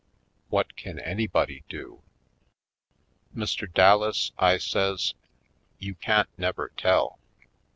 What can anybody do?" ''Mr. Dallas," I says, "you can't never tell.